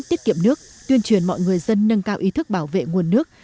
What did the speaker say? tiết kiệm nước tuyên truyền mọi người dân nâng cao ý thức bảo vệ nguồn nước